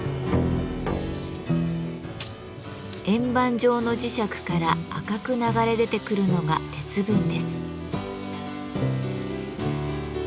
円盤状の磁石から赤く流れ出てくるのが鉄分です。